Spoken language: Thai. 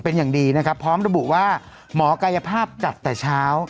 เป็นอย่างดีนะครับพร้อมระบุว่าหมอกายภาพจัดแต่เช้า